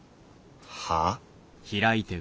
はあ？